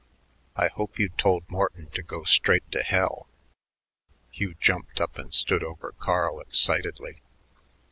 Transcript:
I hope you told Morton to go straight to hell." Hugh jumped up and stood over Carl excitedly.